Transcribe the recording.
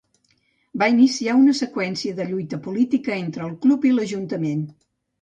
Va iniciar una seqüència de lluita política entre el club i l'ajuntament.